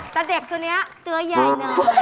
แต่เด็กตัวนี้ตัวใหญ่หน่อย